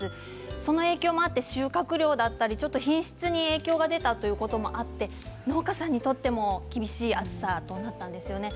その影響もあって収穫量や品質に影響が出たこともあって農家さんにとっても厳しい暑さとなったんですよね。